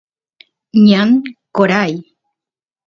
ñan qoray